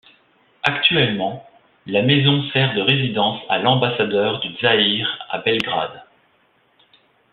Actuellement, la maison sert de résidence à l'ambassadeur du Zaïre à Belgrade.